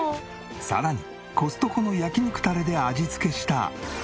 さらにコストコの焼き肉タレで味付けした。